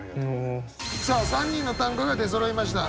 さあ３人の短歌が出そろいました。